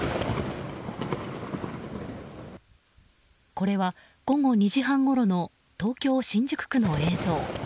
これは午後２時半ごろの東京・新宿区の映像。